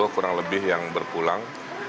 kurang lebih yang berpulang